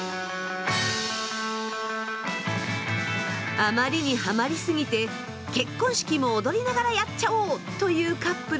あまりにハマり過ぎて結婚式も踊りながらやっちゃおう！というカップルまで登場します。